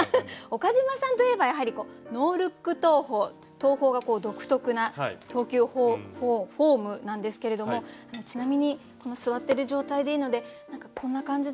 岡島さんといえばやはりノールック投法投法が独特な投球フォームなんですけれどもちなみにこの座ってる状態でいいので何かこんな感じだよって見せて頂くこと。